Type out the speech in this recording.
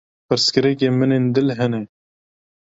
Pirsgirêkên min ên dil hene.